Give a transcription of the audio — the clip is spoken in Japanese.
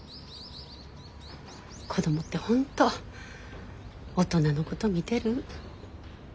子供って本当大人のこと見てる。